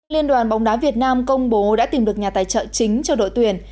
liên đoàn bóng đá việt nam công bố đã tìm được nhà tài trợ chính cho đội tuyển